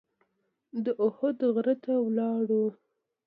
د احد غره ته لاړو.